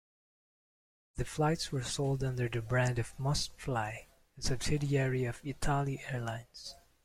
The flights were sold under the brand of MustFly, a subsidiary of ItAli Airlines.